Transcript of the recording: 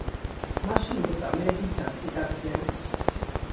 მაშინ მოწამეები სასტიკად გვემეს.